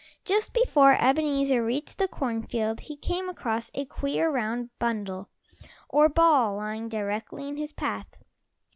Just before Ebenezer reached the corn field he came across a queer, round bundle, or ball, lying directly in his path.